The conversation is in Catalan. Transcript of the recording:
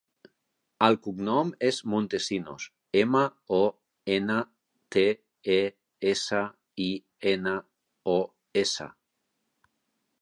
El cognom és Montesinos: ema, o, ena, te, e, essa, i, ena, o, essa.